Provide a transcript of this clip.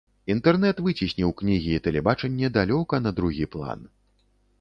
Інтэрнэт выцесніў кнігі і тэлебачанне далёка на другі план.